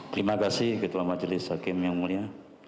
terima kasih ketua majelis hakim yang mulia